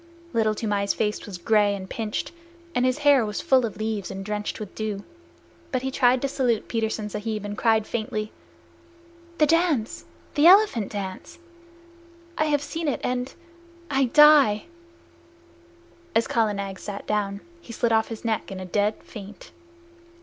Little Toomai's face was gray and pinched, and his hair was full of leaves and drenched with dew, but he tried to salute Petersen Sahib, and cried faintly: "The dance the elephant dance! I have seen it, and I die!" As Kala Nag sat down, he slid off his neck in a dead faint.